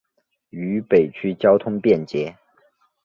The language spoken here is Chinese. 渝北区交通便捷。